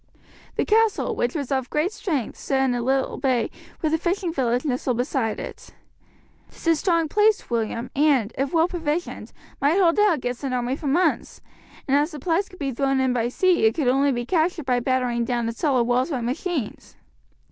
The castle, which was of great strength, stood in a little bay with a fishing village nestled beside it. "'Tis a strong place, William, and, if well provisioned, might hold out against an army for months, and as supplies could be thrown in by sea it could only be captured by battering down its solid walls by machines."